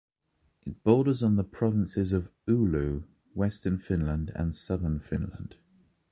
It borders on the provinces of Oulu, Western Finland and Southern Finland.